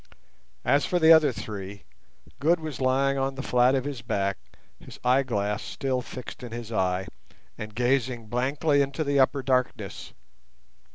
As for the other three, Good was lying on the flat of his back, his eyeglass still fixed in his eye, and gazing blankly into the upper darkness.